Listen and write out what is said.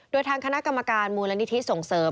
โดยทางคณะกรรมการมูลนิธิส่งเสริม